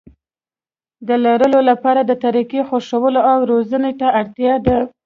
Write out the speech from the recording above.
د لرلو لپاره د طريقې خوښولو او روزنې ته اړتيا ده.